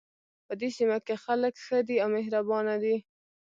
په دې سیمه کې خلک ښه دي او مهربانه دي